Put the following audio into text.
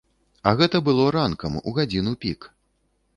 А гэта было ранкам, у гадзіну пік.